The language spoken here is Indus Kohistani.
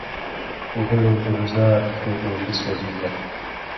گُلو گُلزار تُھو اُو مثلِ جنّت